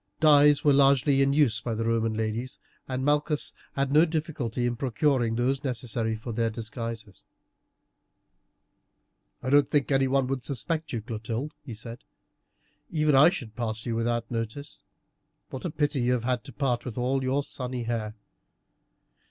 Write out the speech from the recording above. Dyes were largely in use by Roman ladies, and Malchus had had no difficulty in procuring those necessary for their disguises. "I don't think anyone would suspect you, Clotilde," he said; "even I should pass you without notice. What a pity you have had to part with all your sunny hair!"